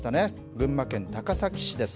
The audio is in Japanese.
群馬県高崎市です。